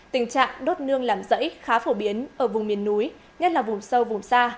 tình trạng đốt nương làm rẫy khá phổ biến ở vùng miền núi nhất là vùng sâu vùng xa